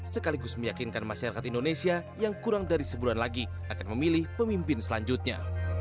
sekaligus meyakinkan masyarakat indonesia yang kurang dari sebulan lagi akan memilih pemimpin selanjutnya